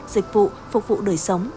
dịch vụ phục vụ đời sống